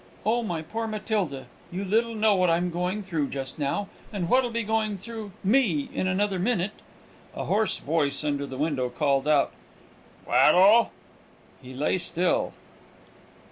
"Oh, my poor Matilda! you little know what I'm going through just now, and what'll be going through me in another minute!" A hoarse voice under the window called out, "Tweddle!" He lay still.